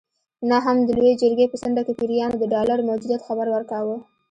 نه هم د لویې جرګې په څنډه کې پیریانو د ډالرو موجودیت خبر ورکاوه.